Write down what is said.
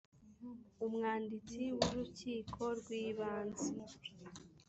umwanditsi w urukiko rw ibanze